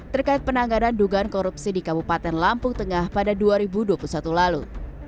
terkait penanganan dugaan korupsi di kabupaten lampung tengah pada dua ribu dua puluh satu lalu